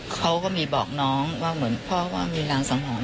เขาก็มีบอกน้องว่าเหมือนพ่อว่ามีรางสังหรณ